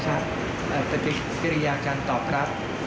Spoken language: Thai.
ปฏิกิริยาการตอบรับ